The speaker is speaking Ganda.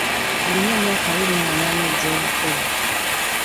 Alina emyaka abiri mu munaana egy'obukulu.